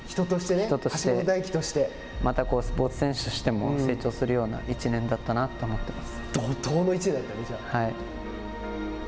またスポーツ選手としても成長するような１年だったなって思ってます。